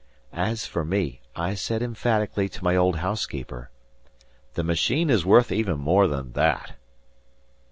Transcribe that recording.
As for me, I said emphatically to my old housekeeper: "The machine is worth even more than that."